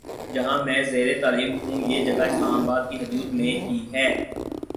جہاں میں زیرتعلیم ہوں یہ جگہ اسلام آباد کی حدود میں ہی ہے